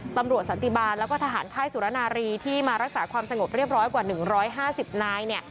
สันติบาลแล้วก็ทหารค่ายสุรนารีที่มารักษาความสงบเรียบร้อยกว่า๑๕๐นาย